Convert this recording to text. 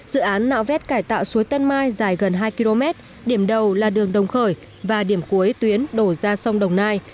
dự án nạo vét cải tạo suối tân mai dài gần hai km điểm đầu là đường đồng khởi và điểm cuối tuyến đổ ra sông đồng nai